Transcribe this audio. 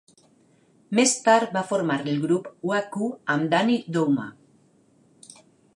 Més tard va formar el grup Wha-Koo amb Danny Douma.